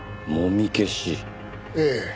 ええ。